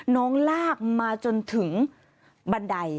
ลากมาจนถึงบันได